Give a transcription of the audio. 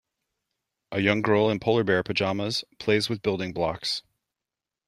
A young girl in polar bear pajamas plays with building blocks.